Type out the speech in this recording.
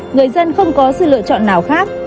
người dân không có sự lựa chọn nào khác